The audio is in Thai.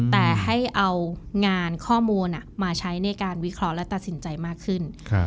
แต่ให้เอางานข้อมูลมาใช้ในการวิเคราะห์และตัดสินใจมากขึ้น